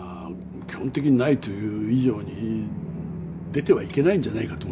基本的にないという以上に出てはいけないんじゃないかと思いますね